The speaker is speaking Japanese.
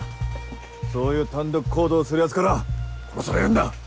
そういう単独行動するヤツから殺されるんだ！